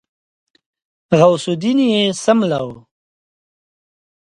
غوث الدين يې څملاوه.